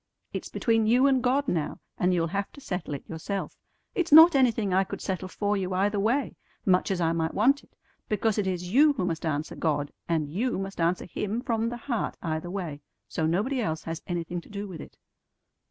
It's between you and God now, and you'll have to settle it yourself. It's not anything I could settle for you either way, much as I might want it, because it is you who must answer God, and you must answer Him from the heart either way; so nobody else has anything to do with it."